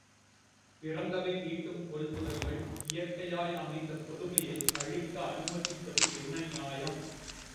பிறந்தபின் ஈட்டும் கொள்முதல்கள், இயற்கையாயமைந்த பொதுமையை அழிக்க அனுமதிப்பது என்ன நியாயம்?